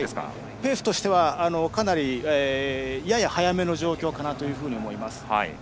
ペースとしてはやや速めの状況かなと思います。